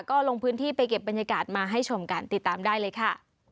ก็ลงพื้นที่ไปเก็บบรรยากาศมาให้ชมกันติดตามได้เลยค่ะ